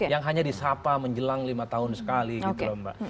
yang hanya disapa menjelang lima tahun sekali gitu loh mbak